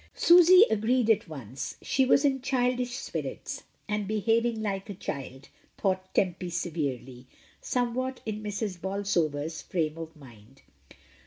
Susy agreed at once. She was in childish spirits, and behaving like a child, thought Tempy severely, somewhat in Mrs. Bolsover's frame of mind.